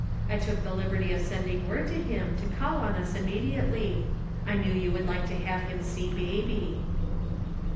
I took the liberty of sending word for him to call on us immedi ately ; I knew you would like to have him see baby."